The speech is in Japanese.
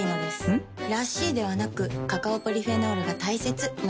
ん？らしいではなくカカオポリフェノールが大切なんです。